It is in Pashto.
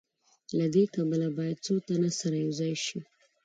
له دې کبله باید څو تنه سره یوځای شي